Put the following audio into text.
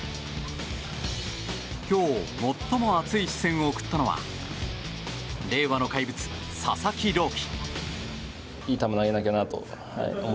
今日、最も熱い視線を送ったのは令和の怪物・佐々木朗希。